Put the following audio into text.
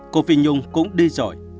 cô phi nhung cũng đi rồi